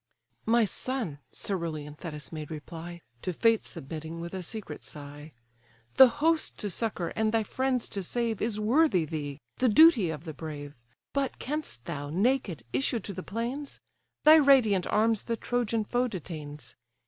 "My son (coerulean Thetis made reply, To fate submitting with a secret sigh,) The host to succour, and thy friends to save, Is worthy thee; the duty of the brave. But canst thou, naked, issue to the plains? Thy radiant arms the Trojan foe detains.